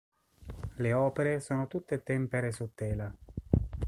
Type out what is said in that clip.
Le opere sono tutte tempere su tela.